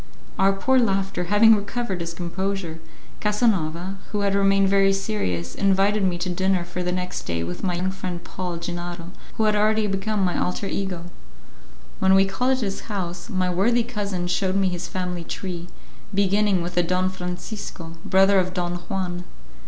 Our poor laugher having recovered his composure, Casanova, who had remained very serious, invited me to dinner for the next day with my young friend Paul Gennaro, who had already become my alter ego. When we called at his house, my worthy cousin showed me his family tree, beginning with a Don Francisco, brother of Don Juan.